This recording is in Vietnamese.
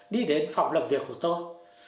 đi đến phòng làm việc của tôi